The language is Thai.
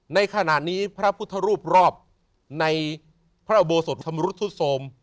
ในขณะนี้พระพุทธรูปรอบในพระบวสุธรธรรมรุฑทุศโศม